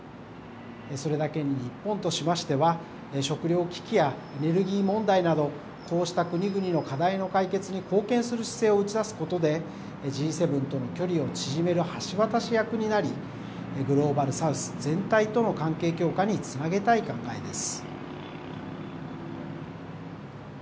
それだけに日本としましては、食料危機やエネルギー問題など、こうした国々の課題の解決に貢献する姿勢を打ち出すことで、Ｇ７との距離を縮める橋渡し役になり、グローバル・サウス全体との連携強化につなげたい考えです。